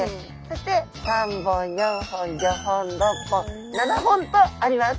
そして３本４本５本６本７本とあります。